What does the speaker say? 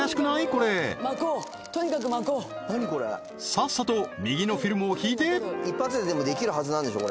こうさっさと右のフィルムを引いて一発ででもできるはずなんでしょ？